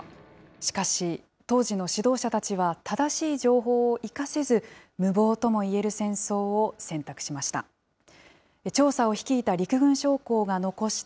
しかし、当時の指導者たちは、正しい情報を生かせず、無謀ともいえる戦争を選択しました。